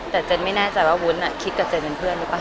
แต่เจนไม่แน่ใจว่าวุ้นคิดกับเจนเป็นเพื่อนหรือเปล่า